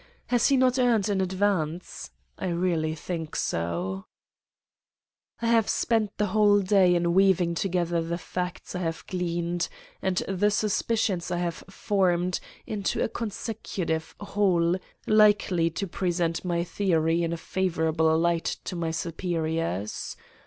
Has he not earned an advance? I really think so. "I have spent the whole day in weaving together the facts I have gleaned, and the suspicions I have formed, into a consecutive whole likely to present my theory in a favorable light to my superiors.